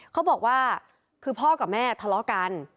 เขาบอกว่าคือพ่อกับแม่ทะเลาะกัน